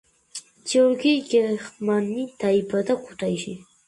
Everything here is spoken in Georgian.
გიორგი გეხტმანი დაიბადა ქუთაისში.